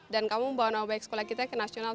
dan kamu membawa nama baik sekolah kita ke nasional